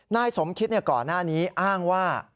นายสมคิดก่อนหน้านี้อ้างว่า